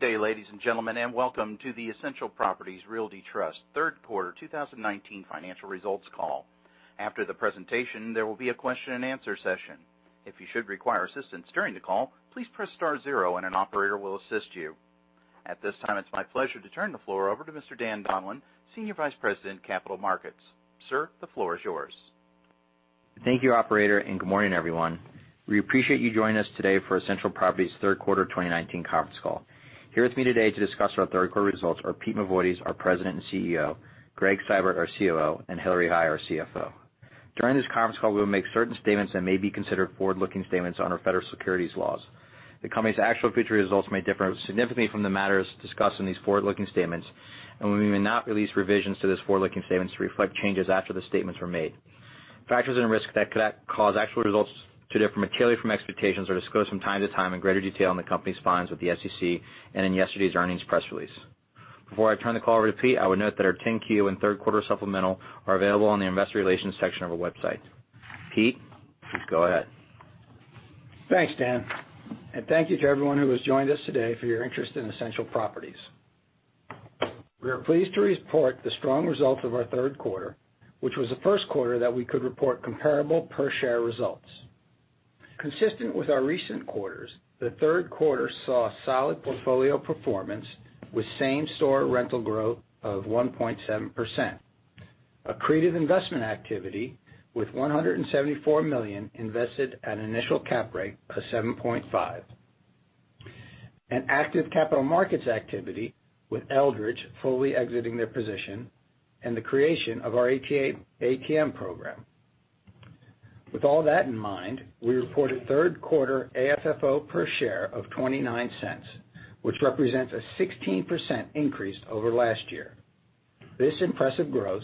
Good day, ladies and gentlemen, and welcome to the Essential Properties Realty Trust third quarter 2019 financial results call. After the presentation, there will be a question and answer session. If you should require assistance during the call, please press star zero and an operator will assist you. At this time, it's my pleasure to turn the floor over to Mr. Dan Donlan, Senior Vice President, Capital Markets. Sir, the floor is yours. Thank you operator, good morning, everyone. We appreciate you joining us today for Essential Properties' third quarter 2019 conference call. Here with me today to discuss our third quarter results are Pete Mavoides, our President and CEO, Gregg Seibert, our COO, and Hillary Hai, our CFO. During this conference call, we will make certain statements that may be considered forward-looking statements under federal securities laws. The company's actual future results may differ significantly from the matters discussed in these forward-looking statements, we may not release revisions to these forward-looking statements to reflect changes after the statements were made. Factors and risks that could cause actual results to differ materially from expectations are disclosed from time to time in greater detail in the company's filings with the SEC and in yesterday's earnings press release. Before I turn the call over to Pete, I would note that our 10-Q and third quarter supplemental are available on the investor relations section of our website. Pete, please go ahead. Thanks, Dan. Thank you to everyone who has joined us today for your interest in Essential Properties. We are pleased to report the strong results of our third quarter, which was the first quarter that we could report comparable per share results. Consistent with our recent quarters, the third quarter saw solid portfolio performance with same-store rental growth of 1.7%, accretive investment activity with $174 million invested at an initial cap rate of 7.5%, and active capital markets activity with Eldridge fully exiting their position, and the creation of our ATM program. With all that in mind, we reported third quarter AFFO per share of $0.29, which represents a 16% increase over last year. This impressive growth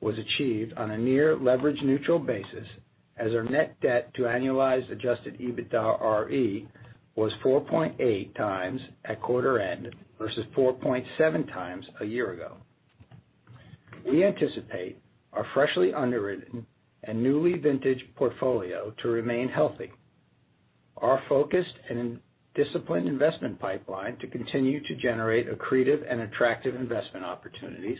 was achieved on a near leverage-neutral basis as our net debt to annualized adjusted EBITDAre was 4.8 times at quarter end versus 4.7 times a year ago. We anticipate our freshly underwritten and newly vintaged portfolio to remain healthy, our focused and disciplined investment pipeline to continue to generate accretive and attractive investment opportunities,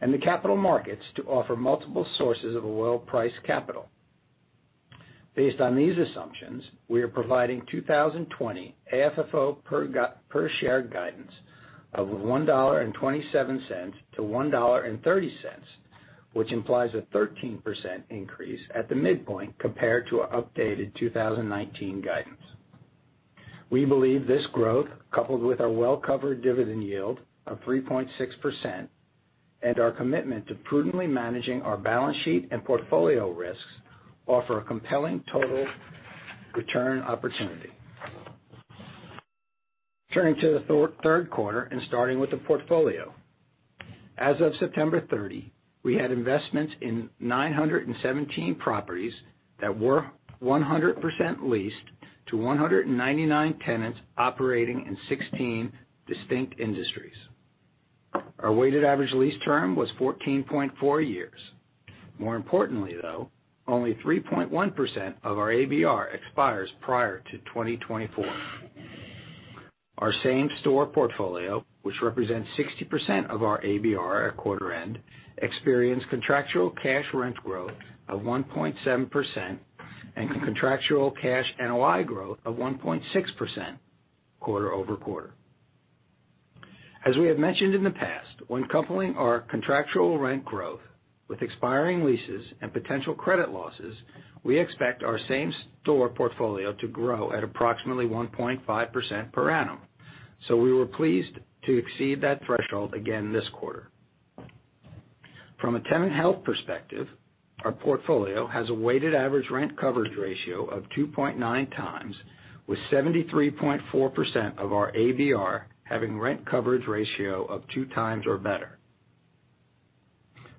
and the capital markets to offer multiple sources of a well-priced capital. Based on these assumptions, we are providing 2020 AFFO per share guidance of $1.27 to $1.30, which implies a 13% increase at the midpoint compared to our updated 2019 guidance. We believe this growth, coupled with our well-covered dividend yield of 3.6% and our commitment to prudently managing our balance sheet and portfolio risks, offer a compelling total return opportunity. Turning to the third quarter and starting with the portfolio. As of September 30, we had investments in 917 properties that were 100% leased to 199 tenants operating in 16 distinct industries. Our weighted average lease term was 14.4 years. More importantly, only 3.1% of our ABR expires prior to 2024. Our same-store portfolio, which represents 60% of our ABR at quarter end, experienced contractual cash rent growth of 1.7% and contractual cash NOI growth of 1.6% quarter-over-quarter. As we have mentioned in the past, when coupling our contractual rent growth with expiring leases and potential credit losses, we expect our same-store portfolio to grow at approximately 1.5% per annum. We were pleased to exceed that threshold again this quarter. From a tenant health perspective, our portfolio has a weighted average rent coverage ratio of 2.9 times, with 73.4% of our ABR having rent coverage ratio of 2 times or better.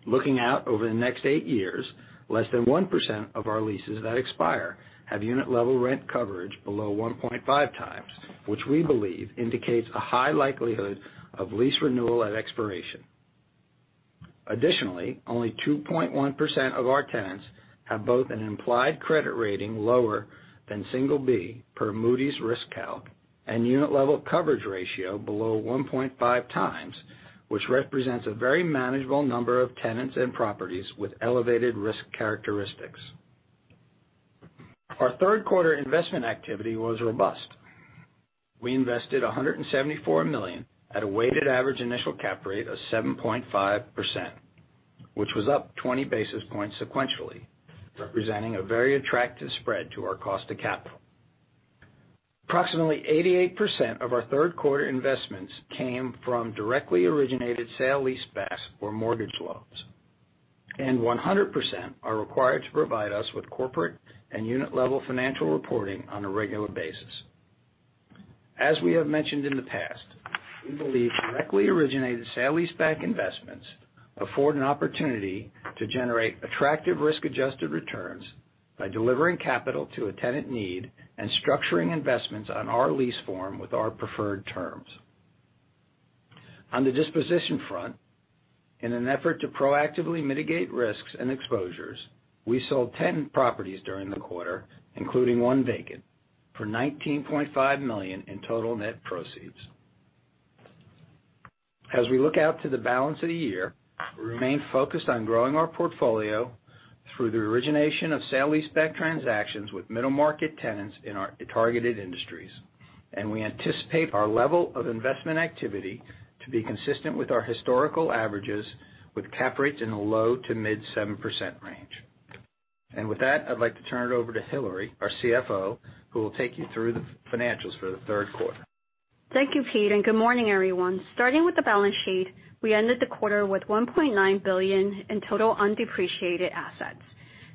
Looking out over the next eight years, less than 1% of our leases that expire have unit-level rent coverage below 1.5 times, which we believe indicates a high likelihood of lease renewal at expiration. Additionally, only 2.1% of our tenants have both an implied credit rating lower than single B per Moody's RiskCalc and unit level coverage ratio below 1.5 times, which represents a very manageable number of tenants and properties with elevated risk characteristics. Our third quarter investment activity was robust. We invested $174 million at a weighted average initial cap rate of 7.5%, which was up 20 basis points sequentially, representing a very attractive spread to our cost of capital. Approximately 88% of our third quarter investments came from directly originated sale-leasebacks or mortgage loans, and 100% are required to provide us with corporate and unit-level financial reporting on a regular basis. As we have mentioned in the past, we believe directly originated sale-leaseback investments afford an opportunity to generate attractive risk-adjusted returns by delivering capital to a tenant need and structuring investments on our lease form with our preferred terms. On the disposition front, in an effort to proactively mitigate risks and exposures, we sold 10 properties during the quarter, including one vacant, for $19.5 million in total net proceeds. As we look out to the balance of the year, we remain focused on growing our portfolio through the origination of sale-leaseback transactions with middle-market tenants in our targeted industries, we anticipate our level of investment activity to be consistent with our historical averages, with cap rates in the low to mid 7% range. With that, I'd like to turn it over to Hillary, our CFO, who will take you through the financials for the third quarter. Thank you, Pete. Good morning, everyone. Starting with the balance sheet, we ended the quarter with $1.9 billion in total undepreciated assets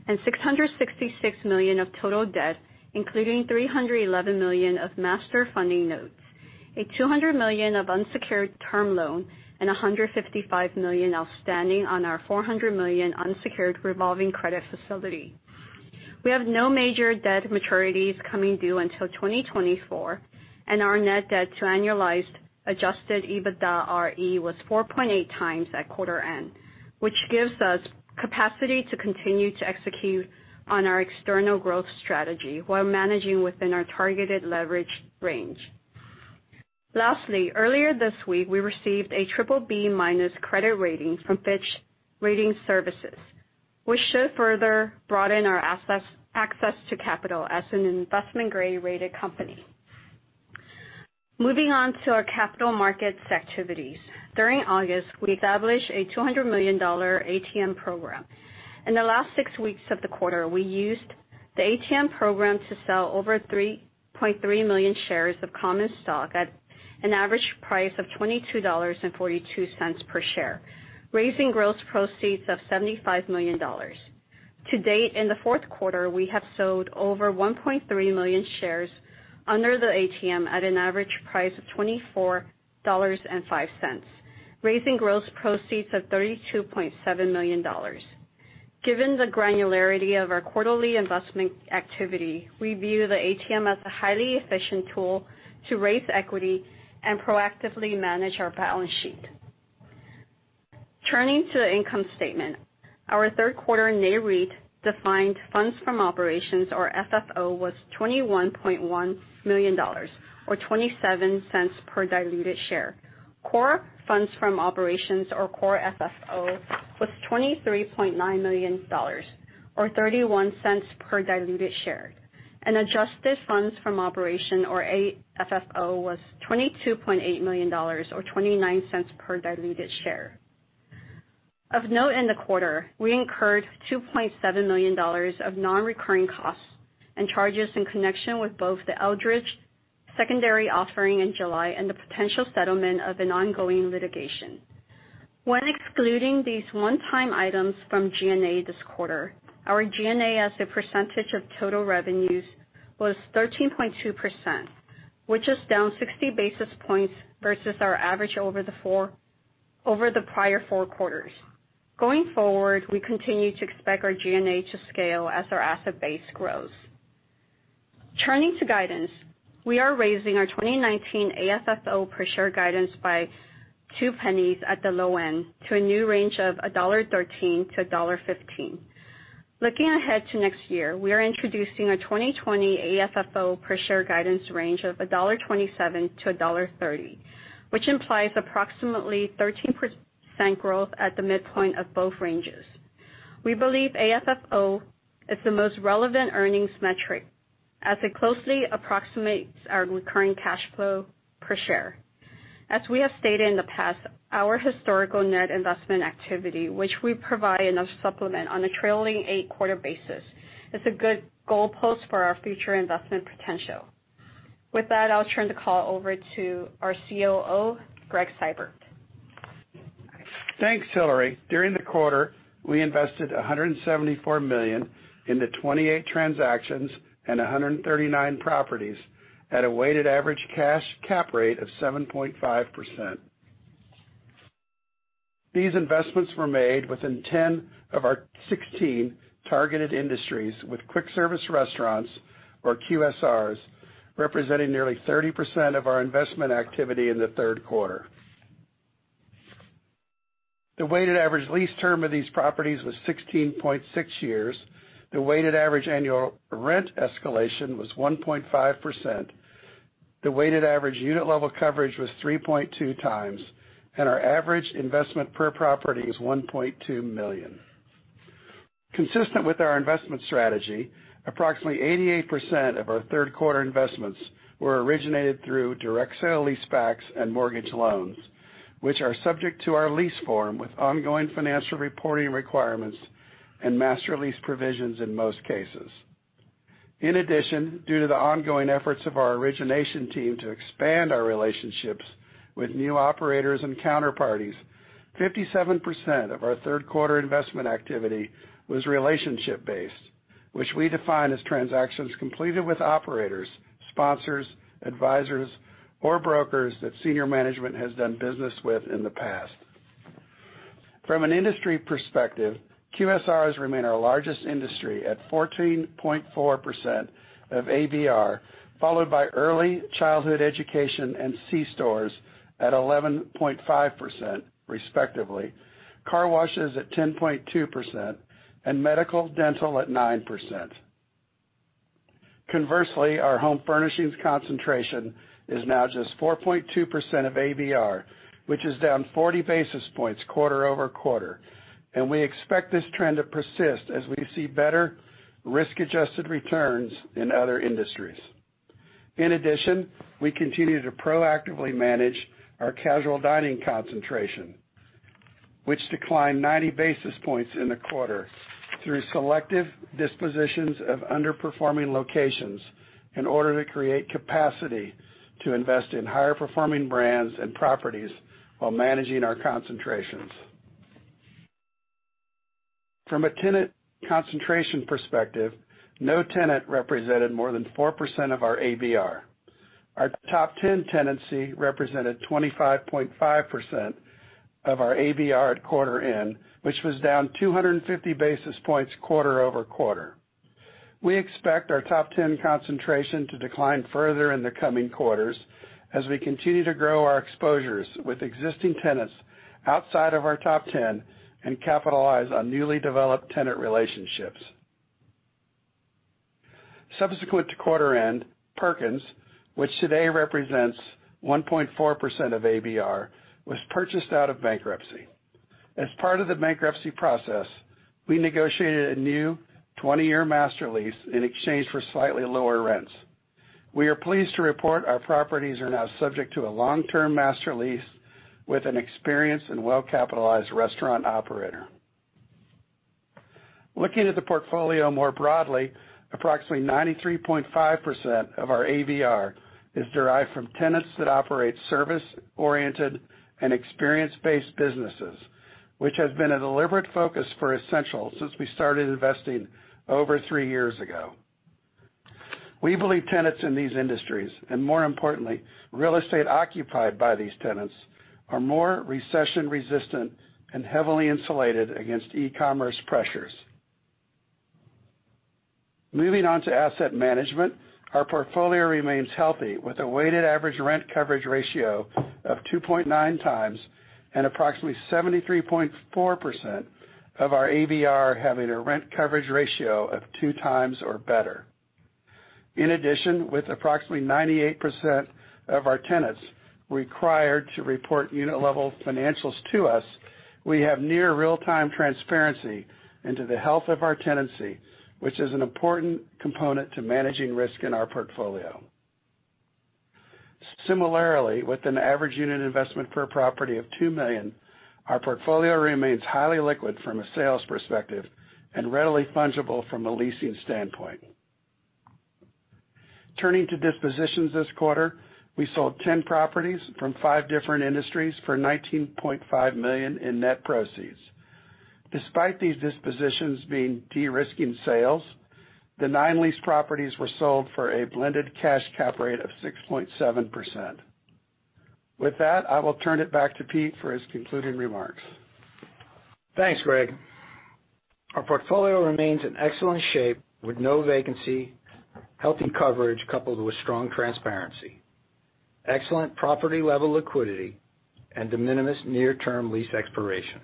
and $666 million of total debt, including $311 million of Master Funding notes, a $200 million of unsecured term loan, and $155 million outstanding on our $400 million unsecured revolving credit facility. We have no major debt maturities coming due until 2024. Our net debt to annualized adjusted EBITDAre was 4.8 times at quarter end, which gives us capacity to continue to execute on our external growth strategy while managing within our targeted leverage range. Lastly, earlier this week, we received a BBB- credit rating from Fitch Ratings, which should further broaden our access to capital as an investment-grade-rated company. Moving on to our capital markets activities. During August, we established a $200 million ATM program. In the last six weeks of the quarter, we used the ATM program to sell over 3.3 million shares of common stock at an average price of $22.42 per share, raising gross proceeds of $75 million. To date, in the fourth quarter, we have sold over 1.3 million shares under the ATM at an average price of $24.5, raising gross proceeds of $32.7 million. Given the granularity of our quarterly investment activity, we view the ATM as a highly efficient tool to raise equity and proactively manage our balance sheet. Turning to the income statement. Our third quarter NAREIT-defined Funds from Operations, or FFO, was $21.1 million, or $0.27 per diluted share. Core Funds from Operations, or Core FFO, was $23.9 million, or $0.31 per diluted share. Adjusted Funds from Operations, or AFFO, was $22.8 million, or $0.29 per diluted share. Of note in the quarter, we incurred $2.7 million of non-recurring costs and charges in connection with both the Eldridge secondary offering in July and the potential settlement of an ongoing litigation. When excluding these one-time items from G&A this quarter, our G&A as a percentage of total revenues was 13.2%, which is down 60 basis points versus our average over the prior four quarters. Going forward, we continue to expect our G&A to scale as our asset base grows. Turning to guidance, we are raising our 2019 AFFO per share guidance by $0.02 at the low end to a new range of $1.13-$1.15. Looking ahead to next year, we are introducing a 2020 AFFO per share guidance range of $1.27-$1.30, which implies approximately 13% growth at the midpoint of both ranges. We believe AFFO is the most relevant earnings metric as it closely approximates our recurring cash flow per share. As we have stated in the past, our historical net investment activity, which we provide in a supplement on a trailing eight-quarter basis, is a good goalpost for our future investment potential. With that, I'll turn the call over to our COO, Gregg Seibert. Thanks, Hillary. During the quarter, we invested $174 million into 28 transactions and 139 properties at a weighted average cash cap rate of 7.5%. These investments were made within 10 of our 16 targeted industries, with quick-service restaurants, or QSRs, representing nearly 30% of our investment activity in the third quarter. The weighted average lease term of these properties was 16.6 years. The weighted average annual rent escalation was 1.5%. The weighted average unit level coverage was 3.2 times, and our average investment per property was $1.2 million. Consistent with our investment strategy, approximately 88% of our third quarter investments were originated through direct sale-leasebacks and mortgage loans, which are subject to our lease form with ongoing financial reporting requirements and master lease provisions in most cases. In addition, due to the ongoing efforts of our origination team to expand our relationships with new operators and counterparties, 57% of our third quarter investment activity was relationship-based, which we define as transactions completed with operators, sponsors, advisors, or brokers that senior management has done business with in the past. From an industry perspective, QSRs remain our largest industry at 14.4% of ABR, followed by early childhood education and C-stores at 11.5%, respectively, car washes at 10.2%, and medical/dental at 9%. Conversely, our home furnishings concentration is now just 4.2% of ABR, which is down 40 basis points quarter-over-quarter, and we expect this trend to persist as we see better risk-adjusted returns in other industries. We continue to proactively manage our casual dining concentration, which declined 90 basis points in the quarter through selective dispositions of underperforming locations in order to create capacity to invest in higher performing brands and properties while managing our concentrations. From a tenant concentration perspective, no tenant represented more than 4% of our ABR. Our top 10 tenancy represented 25.5% of our ABR at quarter end, which was down 250 basis points quarter-over-quarter. We expect our top 10 concentration to decline further in the coming quarters as we continue to grow our exposures with existing tenants outside of our top 10 and capitalize on newly developed tenant relationships. Subsequent to quarter end, Perkins, which today represents 1.4% of ABR, was purchased out of bankruptcy. As part of the bankruptcy process, we negotiated a new 20-year master lease in exchange for slightly lower rents. We are pleased to report our properties are now subject to a long-term master lease with an experienced and well-capitalized restaurant operator. Looking at the portfolio more broadly, approximately 93.5% of our ABR is derived from tenants that operate service-oriented and experience-based businesses, which has been a deliberate focus for Essential since we started investing over three years ago. We believe tenants in these industries, and more importantly, real estate occupied by these tenants, are more recession resistant and heavily insulated against e-commerce pressures. Moving on to asset management, our portfolio remains healthy, with a weighted average rent coverage ratio of 2.9 times and approximately 73.4% of our ABR having a rent coverage ratio of two times or better. In addition, with approximately 98% of our tenants required to report unit-level financials to us, we have near real-time transparency into the health of our tenancy, which is an important component to managing risk in our portfolio. Similarly, with an average unit investment per property of $2 million, our portfolio remains highly liquid from a sales perspective and readily fungible from a leasing standpoint. Turning to dispositions this quarter, we sold 10 properties from five different industries for $19.5 million in net proceeds. Despite these dispositions being de-risking sales, the nine leased properties were sold for a blended cash cap rate of 6.7%. With that, I will turn it back to Pete for his concluding remarks. Thanks, Gregg. Our portfolio remains in excellent shape with no vacancy, healthy coverage coupled with strong transparency, excellent property-level liquidity, and de minimis near-term lease expiration.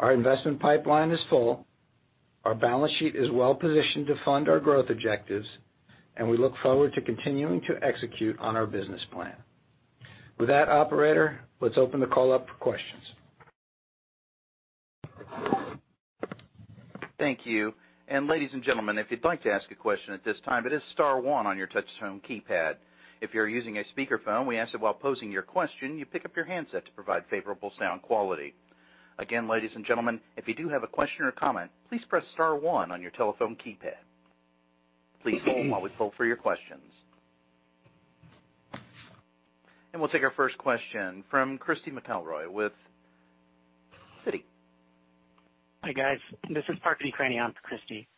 Our investment pipeline is full. Our balance sheet is well positioned to fund our growth objectives, and we look forward to continuing to execute on our business plan. With that, operator, let's open the call up for questions. Thank you. Ladies and gentlemen, if you'd like to ask a question at this time, it is star one on your touchtone keypad. If you're using a speakerphone, we ask that while posing your question, you pick up your handset to provide favorable sound quality. Again, ladies and gentlemen, if you do have a question or comment, please press star one on your telephone keypad. Please hold while we filter your questions. We'll take our first question from Christy McElroy with Citi. Hi, guys. This is Parker Decraene on for Christy.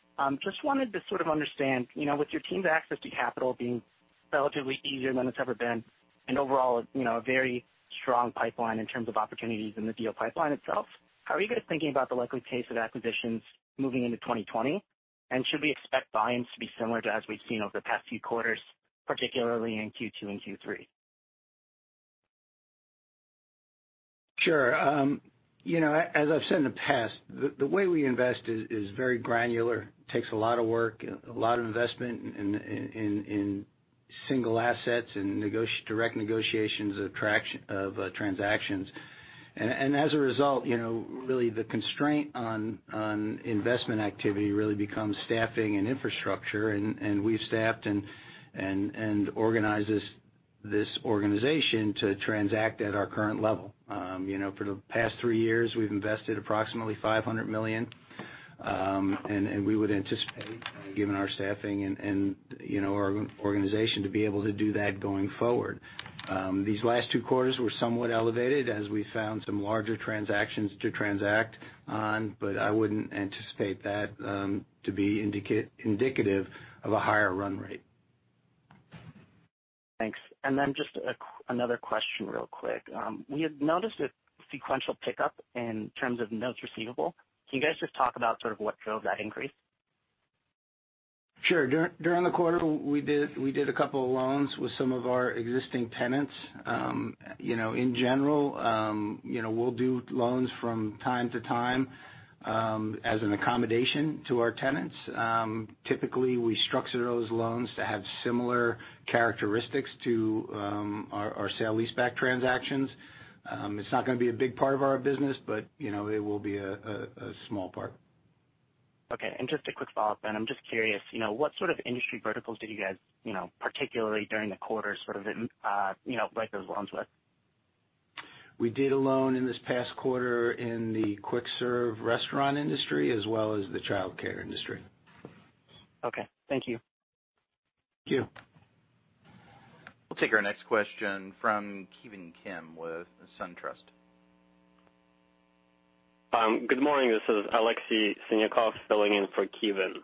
Just wanted to sort of understand, with your team's access to capital being relatively easier than it's ever been, and overall a very strong pipeline in terms of opportunities in the deal pipeline itself, how are you guys thinking about the likely pace of acquisitions moving into 2020? Should we expect buy-ins to be similar to as we've seen over the past few quarters, particularly in Q2 and Q3? Sure. As I've said in the past, the way we invest is very granular. It takes a lot of work, a lot of investment in single assets and direct negotiations of transactions. As a result, really the constraint on investment activity really becomes staffing and infrastructure, and we've staffed and organized this organization to transact at our current level. For the past three years, we've invested approximately $500 million, and we would anticipate, given our staffing and our organization to be able to do that going forward. These last two quarters were somewhat elevated as we found some larger transactions to transact on, but I wouldn't anticipate that to be indicative of a higher run rate. Thanks. Just another question real quick. We had noticed a sequential pickup in terms of notes receivable. Can you guys just talk about sort of what drove that increase? Sure. During the quarter, we did a couple of loans with some of our existing tenants. In general, we'll do loans from time to time, as an accommodation to our tenants. Typically, we structure those loans to have similar characteristics to our sale-leaseback transactions. It's not going to be a big part of our business, but it will be a small part. Okay. Just a quick follow-up then. I'm just curious, what sort of industry verticals did you guys, particularly during the quarter sort of, write those loans with? We did a loan in this past quarter in the quick serve restaurant industry, as well as the childcare industry. Okay. Thank you. Thank you. We'll take our next question from Ki Bin Kim with SunTrust. Good morning. This is Alexi Siniakov filling in for Ki Bin.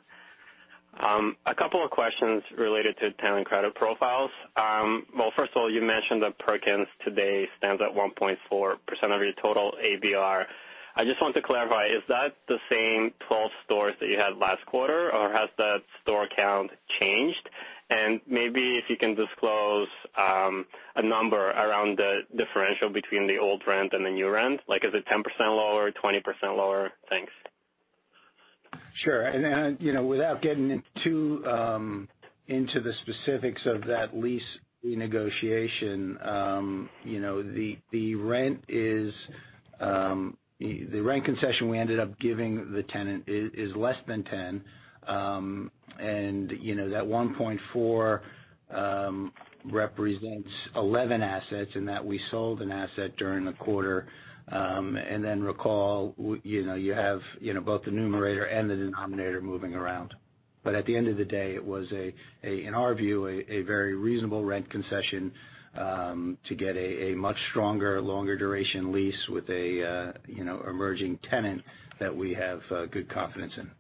A couple of questions related to tenant credit profiles. First of all, you mentioned that Perkins today stands at 1.4% of your total ABR. I just want to clarify, is that the same 12 stores that you had last quarter, or has that store count changed? Maybe if you can disclose a number around the differential between the old rent and the new rent. Like, is it 10% lower, 20% lower? Thanks. Sure. Without getting too into the specifics of that lease renegotiation, the rent concession we ended up giving the tenant is less than 10. That 1.4 represents 11 assets in that we sold an asset during the quarter. Recall, you have both the numerator and the denominator moving around. At the end of the day, it was, in our view, a very reasonable rent concession to get a much stronger, longer duration lease with a emerging tenant that we have good confidence in.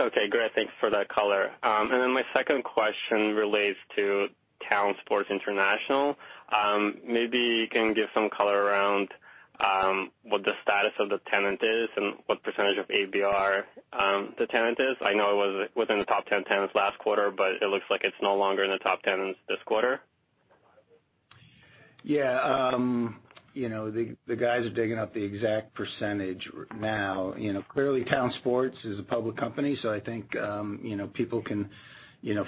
Okay, great. Thanks for that color. My second question relates to Town Sports International. Maybe you can give some color around what the status of the tenant is and what percentage of ABR the tenant is. I know it was within the top 10 tenants last quarter, but it looks like it's no longer in the top 10 tenants this quarter. Yeah. The guys are digging up the exact percentage now. Clearly Town Sports is a public company, I think people can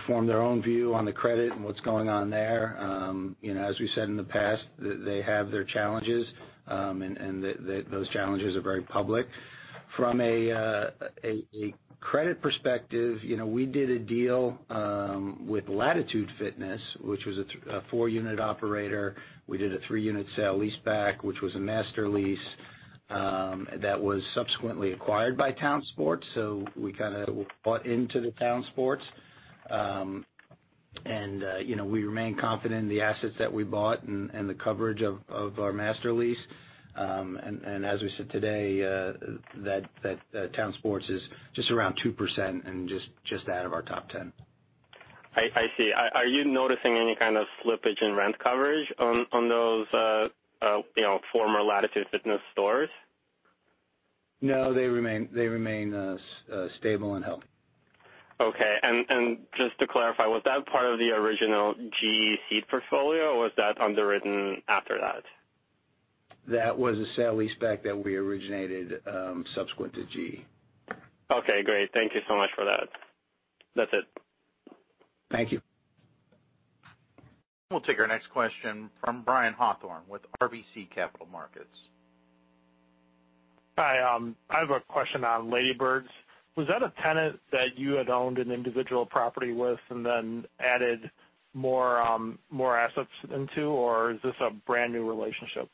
form their own view on the credit and what's going on there. As we said in the past, they have their challenges, and those challenges are very public. From a credit perspective, we did a deal with Latitude Fitness, which was a 4-unit operator. We did a 3-unit sale-leaseback, which was a master lease, that was subsequently acquired by Town Sports. We kind of bought into the Town Sports. We remain confident in the assets that we bought and the coverage of our master lease. As we said today, that Town Sports is just around 2% and just out of our top 10. I see. Are you noticing any kind of slippage in rent coverage on those former Latitude Fitness stores? No, they remain stable and healthy. Okay. Just to clarify, was that part of the original GE seed portfolio, or was that underwritten after that? That was a sale-leaseback that we originated subsequent to GE. Okay, great. Thank you so much for that. That's it. Thank you. We'll take our next question from Brian Hawthorne with RBC Capital Markets. Hi. I have a question on Ladybirds. Was that a tenant that you had owned an individual property with and then added more assets into, or is this a brand-new relationship?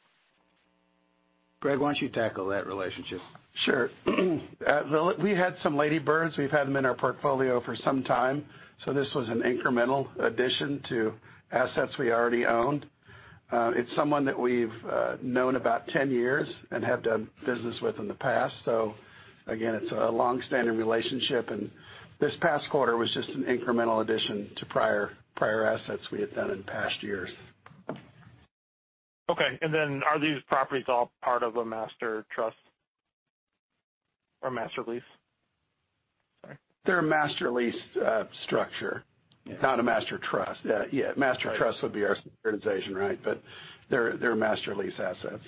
Gregg, why don't you tackle that relationship? Sure. We had some Ladybirds. We've had them in our portfolio for some time, so this was an incremental addition to assets we already owned. It's someone that we've known about 10 years and have done business with in the past. Again, it's a long-standing relationship, and this past quarter was just an incremental addition to prior assets we had done in past years. Okay. Then are these properties all part of a master trust or master lease? Sorry. They're a master lease structure. Yeah. Not a Master Trust. Yeah. Master Trust would be our securitization. They're master lease assets.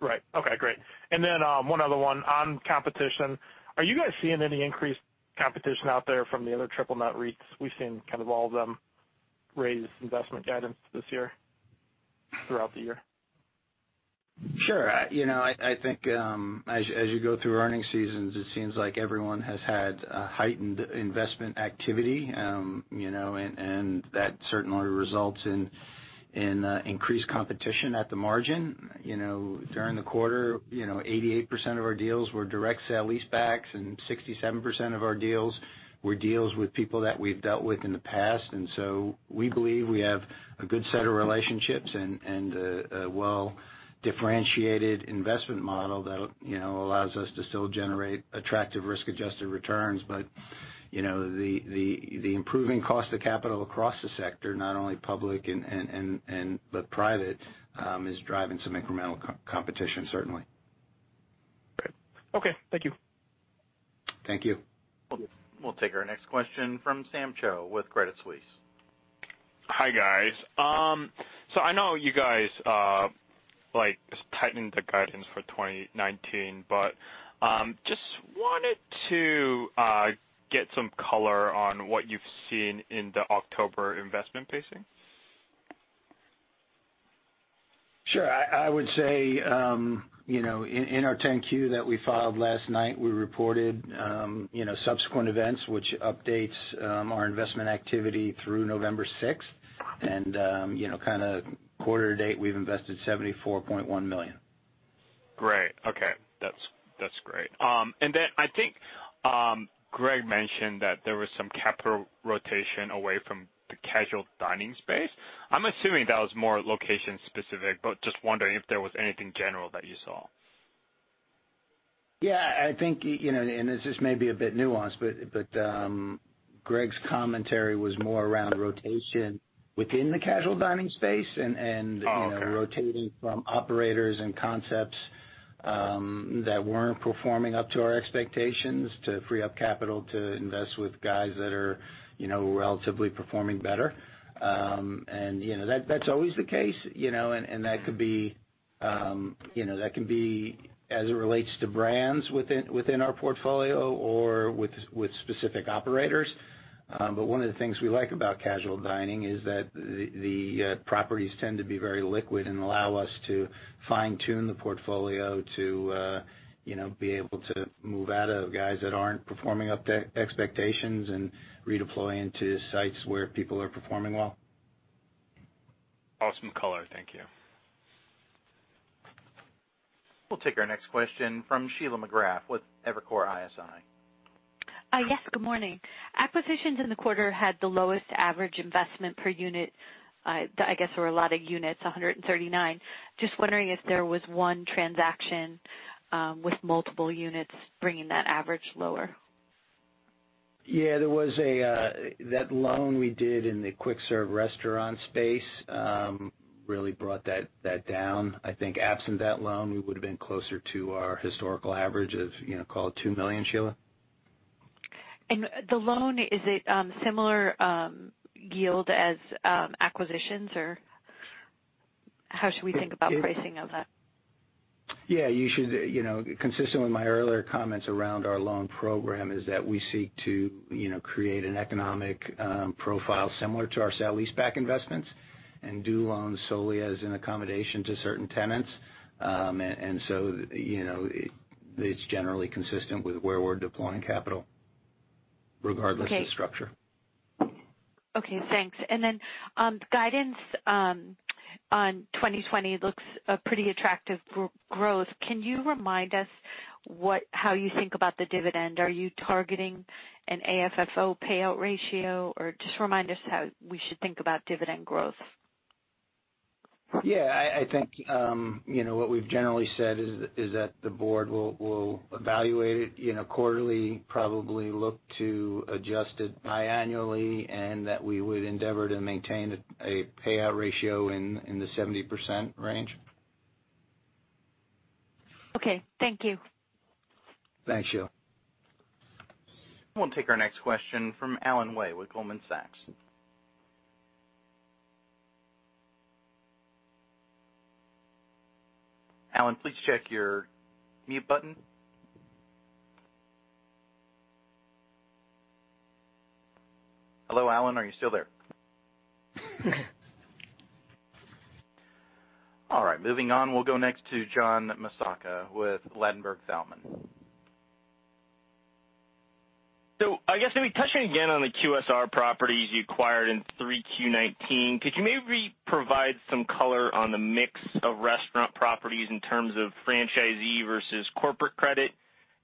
Right. Okay, great. Then one other one on competition, are you guys seeing any increased competition out there from the other triple net REITs? We've seen kind of all of them raise investment guidance this year throughout the year. Sure. I think as you go through earnings seasons, it seems like everyone has had a heightened investment activity, and that certainly results in increased competition at the margin. During the quarter, 88% of our deals were direct sale-leasebacks, and 67% of our deals were deals with people that we've dealt with in the past. We believe we have a good set of relationships and a well-differentiated investment model that allows us to still generate attractive risk-adjusted returns. The improving cost of capital across the sector, not only public but private, is driving some incremental competition, certainly. Great. Okay. Thank you. Thank you. We'll take our next question from Sam Choe with Credit Suisse. Hi, guys. I know you guys tightened the guidance for 2019, but just wanted to get some color on what you've seen in the October investment pacing. Sure. I would say, in our 10-Q that we filed last night, we reported subsequent events, which updates our investment activity through November 6th. Kind of quarter to date, we've invested $74.1 million. Great. Okay. That's great. I think Gregg mentioned that there was some capital rotation away from the casual dining space. I'm assuming that was more location specific, but just wondering if there was anything general that you saw. Yeah, I think, and this just may be a bit nuanced, but Gregg's commentary was more around rotation within the casual dining space. Oh, okay. rotating from operators and concepts that weren't performing up to our expectations to free up capital to invest with guys that are relatively performing better. That's always the case, and that could be as it relates to brands within our portfolio or with specific operators. One of the things we like about casual dining is that the properties tend to be very liquid and allow us to fine-tune the portfolio to be able to move out of guys that aren't performing up to expectations and redeploy into sites where people are performing well. Awesome color. Thank you. We'll take our next question from Sheila McGrath with Evercore ISI. Yes, good morning. Acquisitions in the quarter had the lowest average investment per unit. I guess there were a lot of units, 139. Just wondering if there was one transaction with multiple units bringing that average lower. Yeah, that loan we did in the quick-service restaurant space really brought that down. I think absent that loan, we would've been closer to our historical average of call it $2 million, Sheila. The loan, is it similar yield as acquisitions, or how should we think about pricing of that? Yeah, you should. Consistent with my earlier comments around our loan program is that we seek to create an economic profile similar to our sale-leaseback investments and do loans solely as an accommodation to certain tenants. It's generally consistent with where we're deploying capital regardless of structure. Okay, thanks. Guidance on 2020 looks pretty attractive growth. Can you remind us how you think about the dividend? Are you targeting an AFFO payout ratio, or just remind us how we should think about dividend growth? I think what we've generally said is that the board will evaluate it quarterly, probably look to adjust it biannually, and that we would endeavor to maintain a payout ratio in the 70% range. Okay. Thank you. Thanks, Sheila. We'll take our next question from Alan Way with Goldman Sachs. Alan, please check your mute button. Hello, Alan. Are you still there? All right, moving on. We'll go next to John Massocca with Ladenburg Thalmann. I guess maybe touching again on the QSR properties you acquired in 3Q 2019, could you maybe provide some color on the mix of restaurant properties in terms of franchisee versus corporate credit,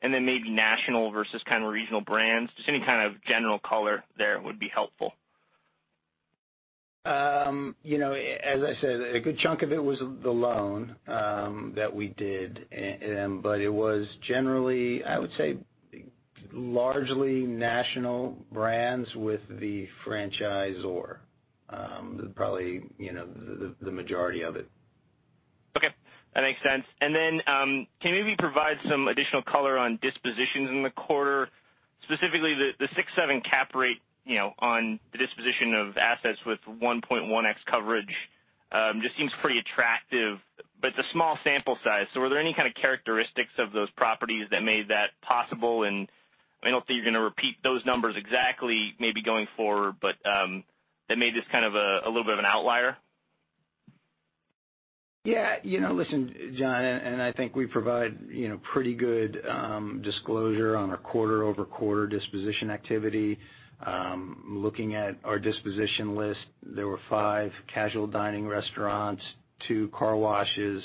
and then maybe national versus kind of regional brands? Just any kind of general color there would be helpful. As I said, a good chunk of it was the loan that we did. It was generally, I would say largely national brands with the franchisor. Probably the majority of it. Okay. That makes sense. Can you maybe provide some additional color on dispositions in the quarter, specifically the 6.7 cap rate on the disposition of assets with 1.1x coverage just seems pretty attractive but it's a small sample size. Were there any kind of characteristics of those properties that made that possible? I don't think you're going to repeat those numbers exactly maybe going forward, but that made this kind of a little bit of an outlier. Listen, John, I think we provide pretty good disclosure on our quarter-over-quarter disposition activity. Looking at our disposition list, there were five casual dining restaurants, two car washes,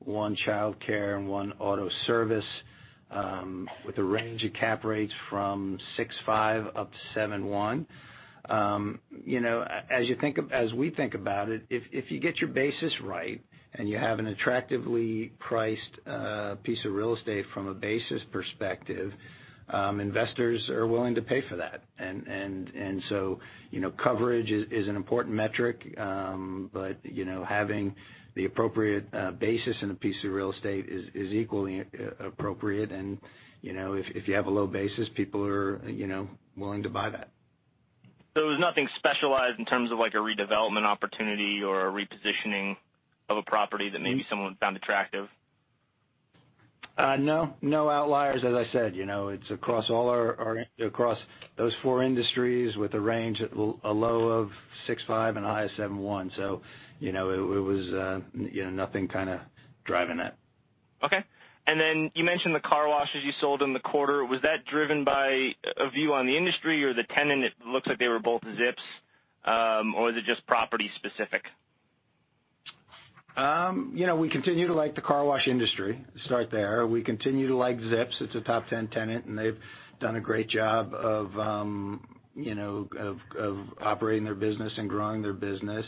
one childcare, and one auto service, with a range of cap rates from 6.5%-7.1%. As we think about it, if you get your basis right, and you have an attractively priced piece of real estate from a basis perspective, investors are willing to pay for that. So, coverage is an important metric, but having the appropriate basis in a piece of real estate is equally appropriate. If you have a low basis, people are willing to buy that. There was nothing specialized in terms of a redevelopment opportunity or a repositioning of a property that maybe someone found attractive? No outliers. As I said, it's across those four industries with a range, a low of 6.5 and a high of 7.1. It was nothing kind of driving that. Okay. You mentioned the car washes you sold in the quarter. Was that driven by a view on the industry or the tenant? It looks like they were both Zips. Was it just property specific? We continue to like the car wash industry. Start there. We continue to like Zips. It's a top 10 tenant, and they've done a great job of operating their business and growing their business.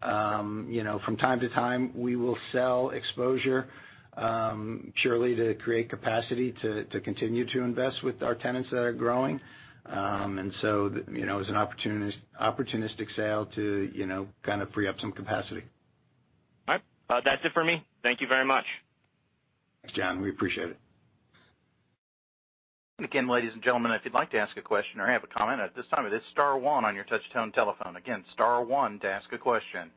From time to time, we will sell exposure, surely to create capacity to continue to invest with our tenants that are growing. It was an opportunistic sale to kind of free up some capacity. All right. That's it for me. Thank you very much. Thanks, John. We appreciate it. Again, ladies and gentlemen, if you'd like to ask a question or have a comment at this time, it is star one on your touchtone telephone. Again, star one to ask a question.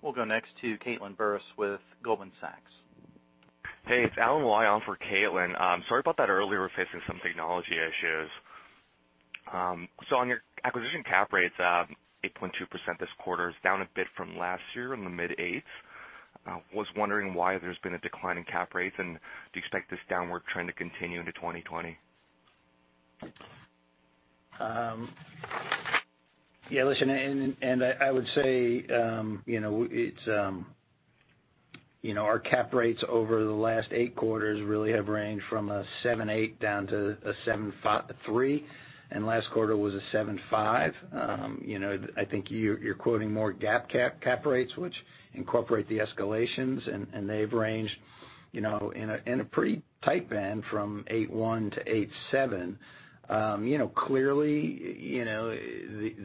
We'll go next to Caitlin Burrows with Goldman Sachs. Hey, it's Alan Lyon for Caitlin. Sorry about that earlier. We were facing some technology issues. On your acquisition cap rates, 8.2% this quarter is down a bit from last year in the mid-eights. I was wondering why there's been a decline in cap rates, and do you expect this downward trend to continue into 2020? Listen, I would say our cap rates over the last eight quarters really have ranged from a 7.8% down to a 7.3%, and last quarter was a 7.5%. I think you're quoting more GAAP cap rates, which incorporate the escalations, and they've ranged in a pretty tight band from 8.1%-8.7%. Clearly,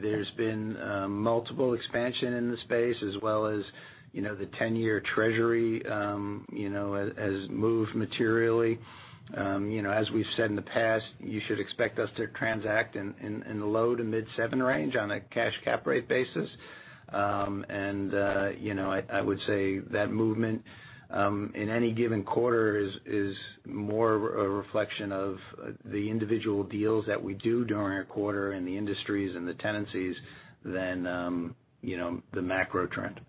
there's been multiple expansion in the space, as well as the 10-year Treasury has moved materially. As we've said in the past, you should expect us to transact in the low- to mid-7% range on a cash cap rate basis. I would say that movement in any given quarter is more a reflection of the individual deals that we do during our quarter and the industries and the tenancies than the macro trend.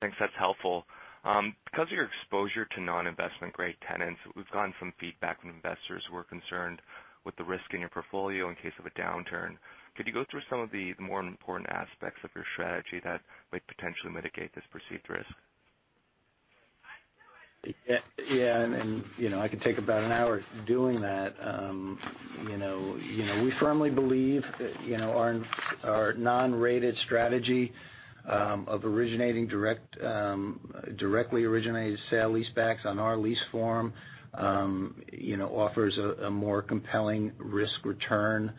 Thanks. That's helpful. Because of your exposure to non-investment-grade tenants, we've gotten some feedback from investors who are concerned with the risk in your portfolio in case of a downturn. Could you go through some of the more important aspects of your strategy that might potentially mitigate this perceived risk? I could take about an hour doing that. We firmly believe our non-rated strategy of directly originating sale-leasebacks on our lease form offers a more compelling risk-return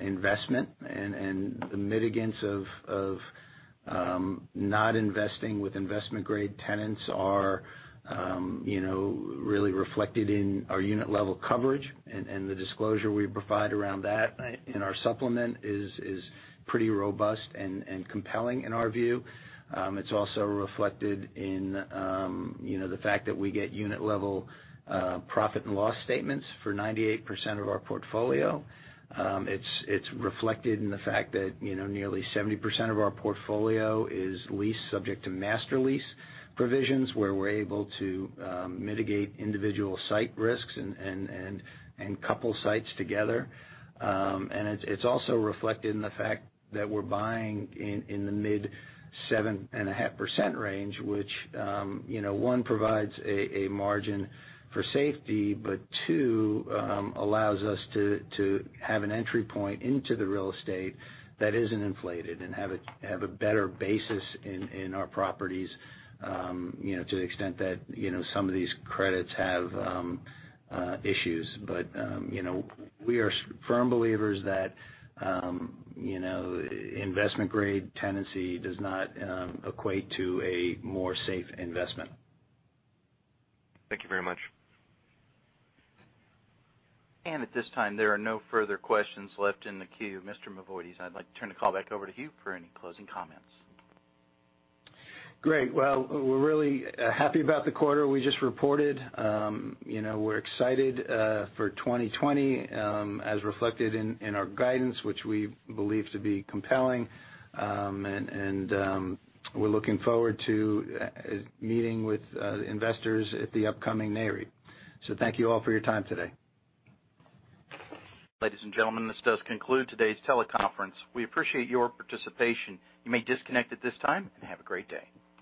investment. The mitigants of not investing with investment-grade tenants are really reflected in our unit-level coverage. The disclosure we provide around that in our supplement is pretty robust and compelling in our view. It's also reflected in the fact that we get unit-level profit and loss statements for 98% of our portfolio. It's reflected in the fact that nearly 70% of our portfolio is leased subject to master lease provisions, where we're able to mitigate individual site risks and couple sites together. It's also reflected in the fact that we're buying in the mid-7.5% range, which, one, provides a margin for safety, but two, allows us to have an entry point into the real estate that isn't inflated and have a better basis in our properties to the extent that some of these credits have issues. We are firm believers that investment-grade tenancy does not equate to a more safe investment. Thank you very much. At this time, there are no further questions left in the queue. Mr. Mavoides, I'd like to turn the call back over to you for any closing comments. Great. Well, we're really happy about the quarter we just reported. We're excited for 2020, as reflected in our guidance, which we believe to be compelling. We're looking forward to meeting with investors at the upcoming NAREIT. Thank you all for your time today. Ladies and gentlemen, this does conclude today's teleconference. We appreciate your participation. You may disconnect at this time, and have a great day.